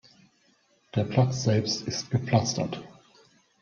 Der Platz selbst ist gepflastert.